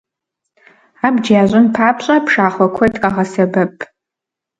Абдж ящӀын папщӀэ, пшахъуэ куэд къагъэсэбэп.